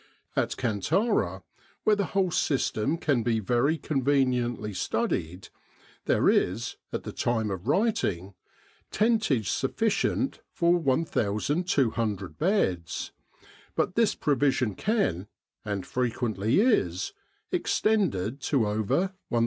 At Kantara, where the whole system can be very conveniently studied, there is, at the time of writing, tentage sufficient for 1,200 beds; but this provision can, and frequently is, extended to over 1,500.